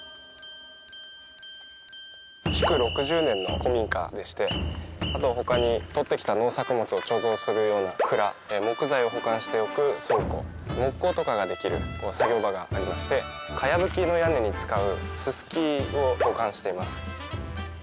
築６０年の古民家でしてあとはほかにとってきた農作物を貯蔵するような蔵木材を保管しておく倉庫木工とかができる作業場がありましてかやぶきの屋根に使うススキを保管しています。